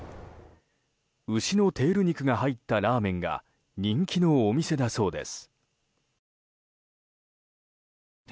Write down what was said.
牛のテール肉が入ったラーメンが人気のお店だそうです。